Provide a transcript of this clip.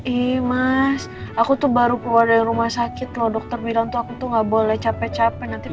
i mas aku tuh baru keluar dari rumah sakit loh dokter bilang tuh aku tuh gak boleh capek capek nanti